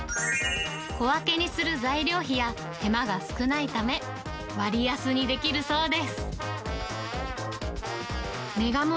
小分けにする材料費や手間が少ないため、割安にできるそうです。